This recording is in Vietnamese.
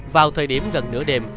vào thời điểm gần nửa đêm